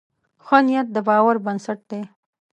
ښه نیت د باور بنسټ دی.